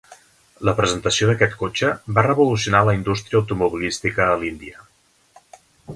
La presentació d'aquest cotxe va revolucionar la indústria automobilística a l'Índia.